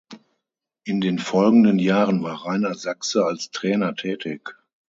In den folgenden Jahren war Rainer Sachse als Trainer tätig.